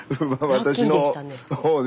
私の方で。